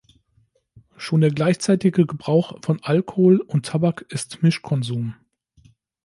Schon der gleichzeitige Gebrauch von Alkohol und Tabak ist Mischkonsum.